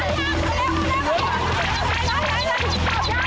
หมุนแม่